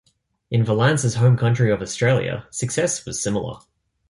In Valance's home country of Australia, success was similar.